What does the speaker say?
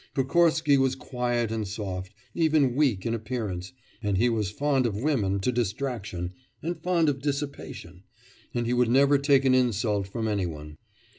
Pokorsky was quiet and soft even weak in appearance and he was fond of women to distraction, and fond of dissipation, and he would never take an insult from any one.